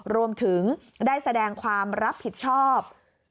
รวมถึงได้แสดงความรับผิดชอบ